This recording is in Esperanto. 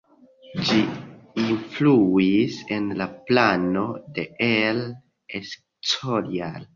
Ĝi influis en la plano de El Escorial.